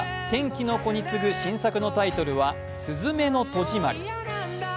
「天気の子」に続く新作のタイトルは「すずめの戸締まり」。